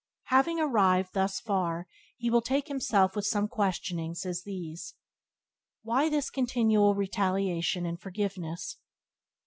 Having arrived thus far he will take himself with some such questionings as these: "Why this continual retaliation and forgiveness?